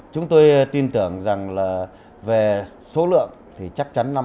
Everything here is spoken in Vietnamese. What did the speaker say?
chúng tôi tin tưởng rằng là về số lượng thì chắc chắn năm hai nghìn một mươi tám